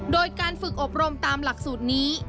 โดยการฝึกอบรมตามหลักสูตรนี้